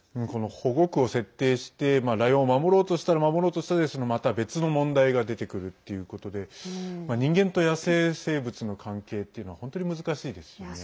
保護区を設定してライオンを守ろうとしたら守ろうとしたでまた別の問題が出てくるっていうことで人間と野生生物の関係というのは本当に難しいですよね。